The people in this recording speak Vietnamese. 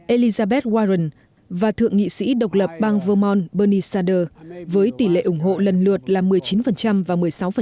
elizabeth warren và thượng nghị sĩ độc lập bang vermon bernie sander với tỷ lệ ủng hộ lần lượt là một mươi chín và một mươi sáu